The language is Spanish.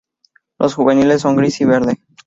Los juveniles son gris y verde.